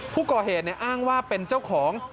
ผู้ก่อเหตุอ้างว่าเป็นเจ้าของ